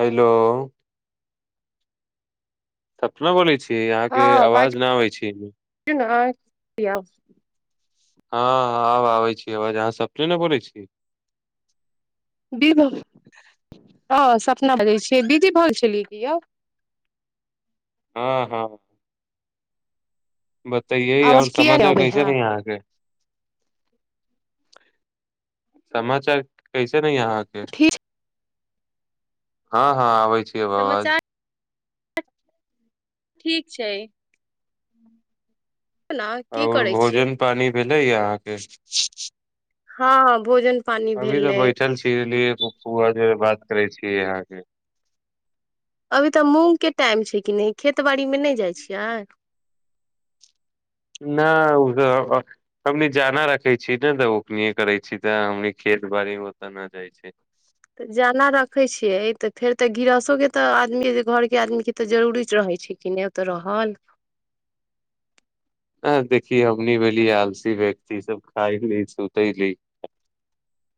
hello Sapna बोैल छी कि यहाँके हँ आवाज न आबै छै टियाबु हँ आब आबै छी आवाज अहाँ सपने ने बोलै छी ब भ हँ सपना बजै छियै बिदी भऽ गेल छलियै कि यौ हँ हँ बतायह आओर आवाज किया नहि समाचार अबै कैसे है न अहाँके समाचार ठीक अछि अहाँके ठीक हँ हँ आबै अब आवाज समाचार ठीक छै ना की आओर करै छियै भोजन पानी भेलैय अहाँके हँ भोजन पानी भेलै बौआ जरे बात करै छीय यहाँके अभी तऽ मूँगके टाइम छै कि नहि खेत बाड़ीमे नहि जाइ छियै नहि ओ हमनी जाना रखे छी ने तऽ ओ करै छी तऽ हमनी खेत बाड़ी मे ओतऽ नहि जाइ छै तऽ जाना रखै छियै तऽ फेर तऽ गृहसोके तऽ आदमी घरके आदमीके तऽ जरूरी रहै छै कि नहि ओ तऽ रहल ह देखी हमनी भेली आलसी व्यक्ति सब खाायली सुतैली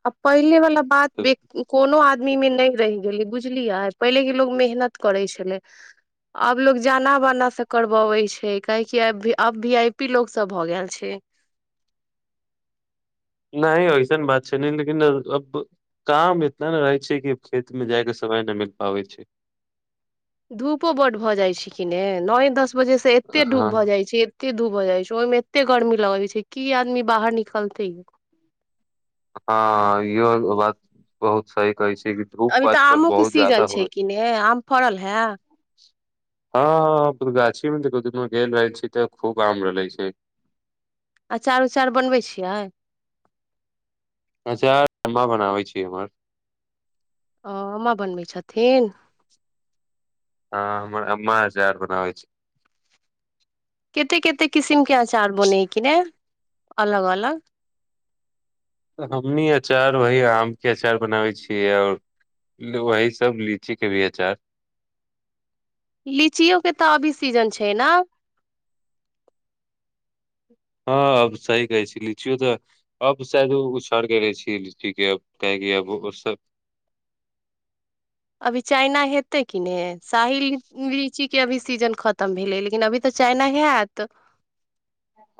आ पहिले वालला बात कोनो आदमी मे नहि [unintelligible] नहि ऐसन बात छै ने लेकिन अब काम इतना ने रहै छै कि खेत मे जायके समय नहि मिल पाबै छै धूपो बड भऽ जाइत छै कि ने नए दस वजह से एते हँ धूप भऽ जाइ छै एते धूप भऽ जाइ छै ओहिमे एते गरमी लगाब छै की आदमी बाहर निकलते हँ इहो बात बहुत सही कहै छै कि धूप अभी तऽ आजकल आमोके बहुत ज्यादा सीजन छै होइ कि ने आम फड़ल हए हँगाछीमे जे दिनमे गेल रहल छी तऽ खूब आम रहलै छै अचार उचार बनबै छियै अच्छा एमा बनाबै छीिय हमर ओ अम्मा बनबै छथिन हँ हम अम््मजार बनाबै छै कते कतेक किसिम के अचार बनेै कि ने अलग अलग हमनी अचार वही आमके अचार बनाबै छियै आओर वही सभ लीचीे भी अचार लीचियओ के तऽ अभी सीजन छै ने हँ अब सही कहै छै लिचियो तऽ अब शायद उछड़ के रहै छी लीची के अ काहेकि अब ओ सब अभी चाइना हेतै कि नहि शाही लिच्ची अभी सीजन खत उतम भेलै लेकिन अी तऽ चाइना हयत तब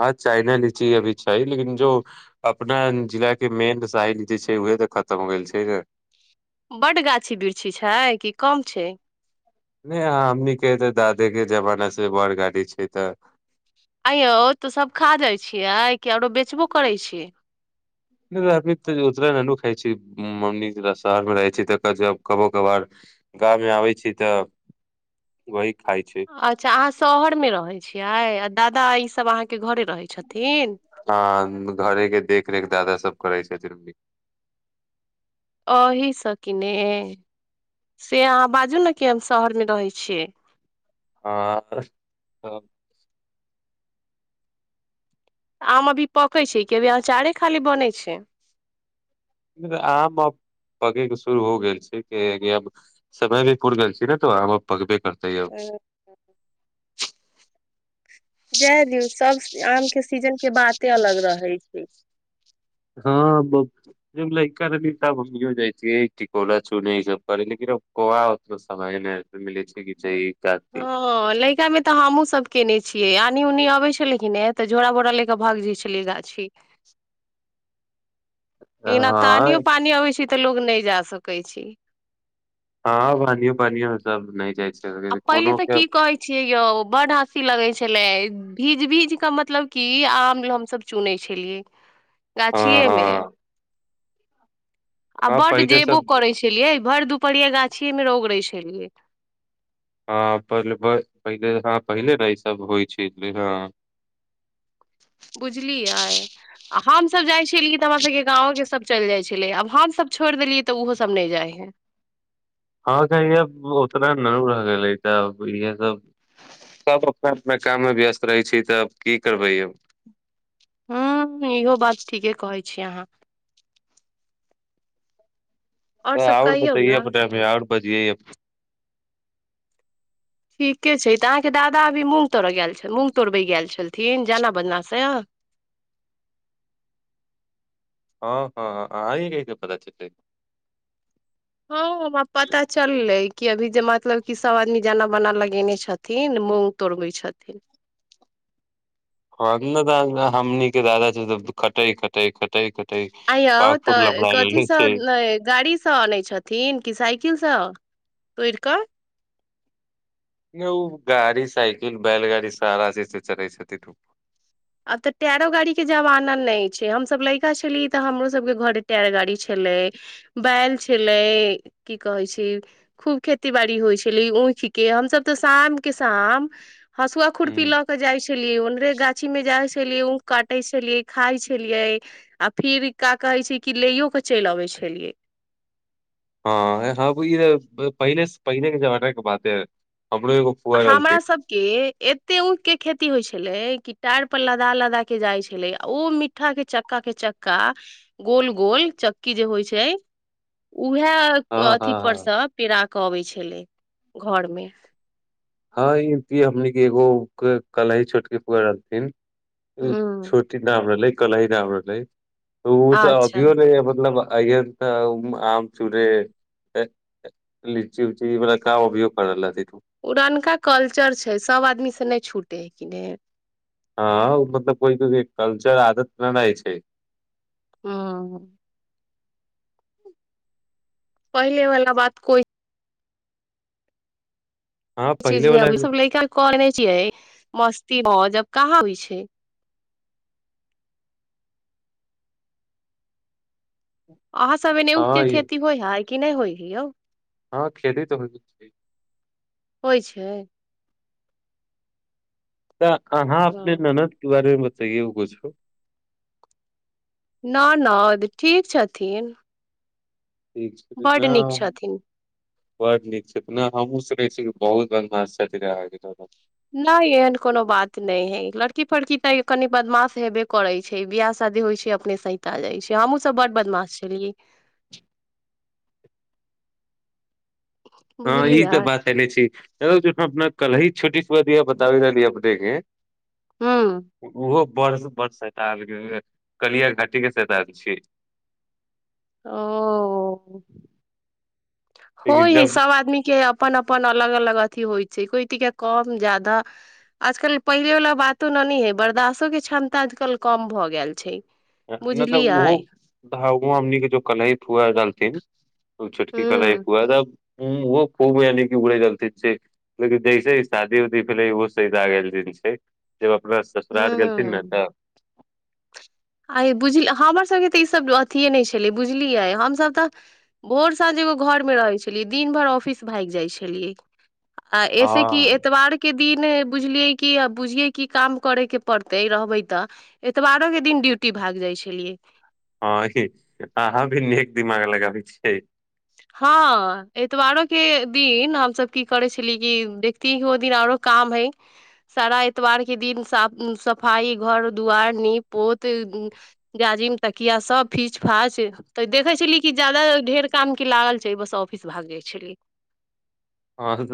हँ चाइना लीची अभी छै लेकिन जो अपना जिलाके मेन साहि लीची छै उह तऽ खतम हो गेल छै ने बड गाछी बृक्षि छै कि कम छै नहि हमनीके तऽ दादे के जमाना से बड़ गाड़ी छै तऽ अयौ तो सब खा जाइ छियै कि आरो बेचबो करै छियै नहि आ्मी ततरा न [unintelligible] खाय छी मम्मी शहरमे रहै छी तऽ जब कभो कभार गाँवमे आबै छी तऽ वहि अच्छा अहाँ शहरमे रहैत छियै आ दादा ई सभ आँ हाँ घरे के देखरेख दादा सब करैय छथिन की एहीसँ कि ने से अहाँ बाजू ने कि हम शहरमे रहै छियै हाँ हेलो आम अभी पकै छै कि अभी अचारे खाली बनै छै आम आ पगे के शुरू हो गेल छै समय भी पूुर गेल छै ने तो आम पगबे कतयौ अछि जय दियौ सब आम के सीजन के बाते अलग रहे छै हँ लैड़का नी त्मी जाइ छियै टिकोला चूने ई सब कर लेक कोआ उतना समय मिलै छै काती हँ लैका में तऽ हमहुँ सब केने छी छिय आनी उनि अबै छल लेकिन नहि ए तऽ झोरा बोरा ले त भाग जाइ छलैय गाछी हँ ईना तानियो पानी अवै छै तऽ लोग नहि जा सकै छै हँ पानियो पानियो सब नहि जाइ आ छै पहिले कोनो तऽ के की कहे छियै यौ बड हँसी लगे छै छलै भीज भीज के मतलब की आम हमस चुनै छलियै हँ गाछियेमे हँ आ हँ बड जे पहिले बो सब करै छी भर दुपहरिया गाछि मे ओगरय छलियै हँ पहिले पहिले हँ पहिले ने ईसभ होइ छै हँ बुझलियै आ हमसभ जाइ छियियै तऽ हमरासभके गाँवोके सभ चलि जाइ छलै आब हमसभ छोड़ि देलियै तऽ ओहोसभ नहि जाइ हइ हँ तब उतना न र गेलै तऽ इह सब सब अपना अपना काम मे व्यस्त रहै छी तब की करबै अब ह्म इहो बात ठीके कहै छी अहाँ और ह सब आउड कहियौ बतै ने प आओर बस ईहा बज ठीके छै तऽ अहाँके दादा अभी मूँग तोड़य गेल छल मूँग तोड़बै गेल छलथिन जाना बदनासँ हँ हँ हँ आहिंकें पता चललै हमरा पता चललै कि अभी जे मतलब क सब आदमी जान बना लगेने छथिन मूग तोड़बै छथिन ह ने द हमनी के दादा छै खटे खट ख आय यौ तऽ कथीसँ गाड़ीसँ अनैत छथिन कि साइकिलसँ तोरि कऽ नहि ओ गाड़ी साइकिल बैलगाड़ी सारा चीज से चलै छथिन आब तऽ टेरो गाड़ी के जमाना नहि छै हमसभ लड़का छली तऽ हमरो सभके घरे टैर गाड़ी छलै बैल छलै की कहै छै खूब खेती बाड़ी होइ छलै ऊख के हमसभ तऽ शाम के शाम हसुआ खुुरपी हूँ लऽ के जाइ छलियी ओनरे गाछ जा छललै काटै छलियै खाइ छलियै आ फिर का कहै छै कि लो के चलि अबै छलियै हँ हँ भ पहिले पहिले के जमाने के बात ह हमरा सबके एते ऊख के खेती होइ छै छल क टाार पर लदा लदा के जाइ छले आ ओ मिीठ्ठा के चक्का के चक्का गोल गोल चक्की जे होइ छै हँ उएह हँ अथी परस हँ पेड़ कबै छलै घरमे हँ ई हमन एगो कला ह छोटके पु रहथिन हूँ छुटी न हमरा ल क र हमरा ल ओ तऽ अच्छा होभौ ने मतलब अ तऽ आम चूड़े लीची उऊची बा क उभोग करल तू पड़नका कल्चर छै सभ आदमी से नहि छुटै हइ किने हँ मतलब कोइ को कल्चर आदत गनााय छै हँ पहिले वाला बात कोइ हँ इ चीज पहिले मेमे वाला अभी सब ले क कोन िय मस्ती मौजब कहाँ भइ छै अहाँ सब एने ऊख के हँ खेती होय हैय कि ने होई ही ओ हँ खेती तऽ होइ छै होइ छै तऽ अहाँ अपने ओ ननद के बारे मे [unintelligible] न न ठीक छथिन बड्ड नीक छथिन बड्ड नीक छै हमहूँ सुनै छी बहुत बदमास छथिन आहाँ के ननद नहि एहन कोनो बात नहि है लड़की फड़की तऽ कनि बदमाश हेबे करैत छै बिियाह शादी होइत छै अपने सत आ जाइत छै हमहहुँसभ बड बदमाश छलियै हँ ई बुझलियै तऽ बात एनेे छी ज अपना कल ही छोटी ििया बताबी ने लीअ देखे हुँ ओहो बड़ बड़ सता आल कलिया घाटी के सता आयल छी ओ लेकिन होइ है जब सब आदमी के अपन अपन अलग अलग अथिी होइ छै कोई कम जदाा आजकल पहिले वालला बातो न न हय बर्दासो के क्षमता आजकल कम भ गेल छै नहि तऽ बुझलियै ओहो [unintelligible] जो कलहिित हुआ जालथिन ओ छोटकी कला एक हुँ पुआ त ओहो खूब यानि उड़ै जलथिन छै लेकिन जैसे शादी उदी भेलै ओहो सदा गेलथिन छै ज अपना ससुरार गेलथिन ने हुँ तऽ आइ बुझ हमरसभके तऽ ईसभ अथिए नहि छलै बुझलियै हमसभ तऽ भोर साँझ एगो घरमे रहै छलियै दिन भरि ऑफिस भागि जाइत छलियै आ ऐसे कि हँ एतवार के दिन बुझलियै की बुझिये की काम करे के पड़ते रहबे तऽ एतबारो के दिन ड्यूटी भाग जाइ छलियै हँ अहाँ भी ने एक दिमाग लगाबै छियै हँ एतबारो के दिन हमसभ की करै छली कि देखतीियै कि ओ दिन आरो काम हइ सारा एतवार के दिन साफ सफाई घर दुआार नीप पोत जाजिम तकिया सब फीच फाच तऽ देखै छली कि जादा ढेर काम की लागल छै बस ऑफिस भाग जाइ छलियै हँ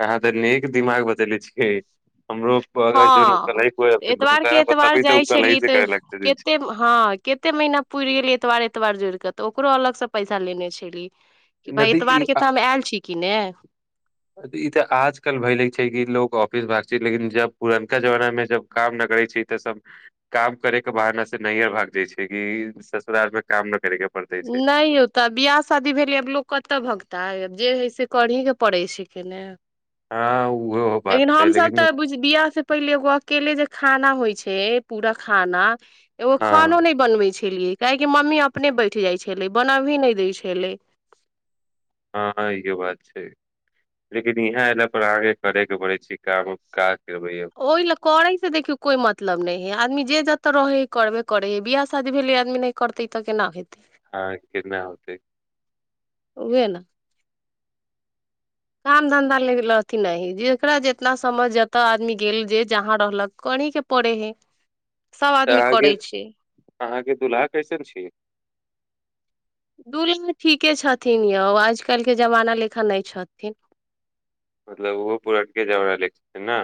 अहाँ तऽ नेीक दिमाग बदले छियै हमरो अगर जन हँ कलहि कोइ एतबारके हुनका एतबार बतेबै तऽ ओ जाइ कलहि छलियै से तऽ करे लगते कते हँ कते महीना पुरि गेलै एतबार एतबार जोड़ि कऽ तऽ ओकरो अलग से पैसा लेने छलीै नदी ई कि ने ई तऽ आजकल भय ल छै कि लोग ऑफिस भाग छै लेकिन जब पुरनका जमाना में जब काम न करे छै तऽ सब काम करे के बहाना से नैहर भाग जाय छै कि ससुराल में काम न करे के पड़ते छै नहि होता बियाह शादी भेल लोक कतऽ भगता हब जे हय से करही के पड़ै छै के ने हँ उहो बात लेकिन छै हमसभ लेकिन तऽ बिियाह से पहिले एगो अकेले जे खाना होइ छै सेे पूरा खाना एगो हँ खानो नहि बनबै छै ेलिय काहे मम्मी अपने बै उठ जाइ छलै बना भी नहि दै छलै हँ इहो बात छै लेकिन इहाँ एयल पर आगे करे के पड़ै छै काम काज ओहि ल करै से देखियौ कोई मतलब नहि है आदमी जे तऽ रहै ह करबे करै हइ बिियाह शादी भेलै आदमी नहि करतै ई तऽ केना हेतै हँ केना होतै उहे न काम धन्धा ल रहथिन नहि हइ जकरा जितना समय जतय आदमी गेल जे जहाँ रहलक करहके पड़ै हइ सब तऽ आदमी अहाँके करै छै अहाँके दुल्हा कैसन छी दू लमे ठीके छथिन यौ आज कलहि के जमाना लेखा नहि छथिन मतलब ओहो पुरठके झवरा ले ने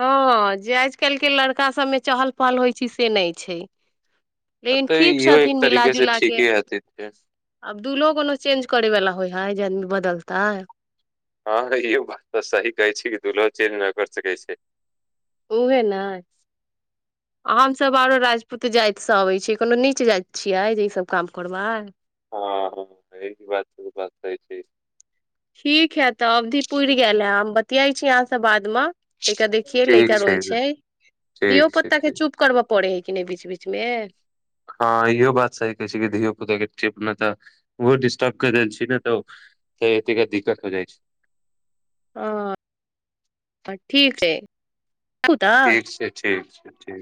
हँ जे आज कल के लड़का सभमे चहल पहल होइ छै से नहि छै लेकिन तऽ ठीक इहो एक छथिन मिला तरीके से जुला के ठीके हथि आब दुलहोो कोनो चेंज करे वाला होय है जन बदलता हँ इहो बात तऽ सही कहै छै कि दुल्हहो चेंज नहि कर सकै छै उहे ने हमसभ आरो राजपूत जातिसँ अबै छी कोनो नीच जाति छियै जे ईसभ काम करबै हँ ई बात बातै छै ठीक है तऽ अवधी पुर गेलै िया छी यहाँ से बात मे त देखिये लैका रहो छै धियो ठीक छै पोता के ठीक चुप करब पड़े हइ कि नहि बीच बीचमे हँ इहो बात सही कहै छै कि धियो पुताके अपना तऽ ओहो डिस्टर्ब क देल छी ने तऽ एता दिक्कत हो जाइ छै ह ठीक ह ठीक छै ठीक छै अच्छा